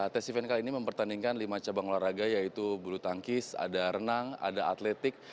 tes event kali ini mempertandingkan lima cabang olahraga yaitu bulu tangkis ada renang ada atletik